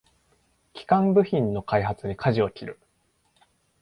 基幹部品の開発にかじを切る